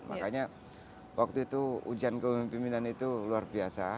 makanya waktu itu ujian kemimpinan itu luar biasa